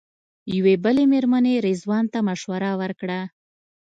یوې بلې مېرمنې رضوان ته مشوره ورکړه.